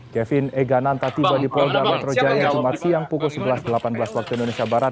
kevin egananta tiba di polda metro jaya jumat siang pukul sebelas delapan belas waktu indonesia barat